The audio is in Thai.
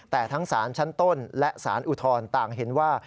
แต่ทั้งศาลชั้นต้นและสารอุทธรณ์ต่างเห็นว่า